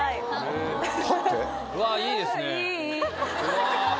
うわっいいですねうわ。